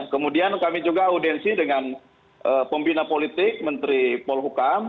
kemudian kami juga audensi dengan pembina politik menteri polhukam